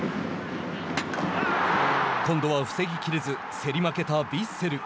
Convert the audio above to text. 今度は防ぎきれず競り負けたヴィッセル。